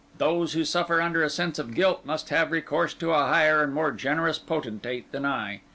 Those who suffer under a sense of guilt must have recourse to a higher and more generous Potentate than I.